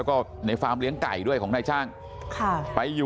พวกมันกลับมาเมื่อเวลาที่สุดพวกมันกลับมาเมื่อเวลาที่สุด